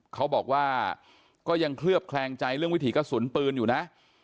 เขาบอกว่าก็ยังเคลือบแคลงใจเรื่องวิถีกระสุนปืนอยู่นะ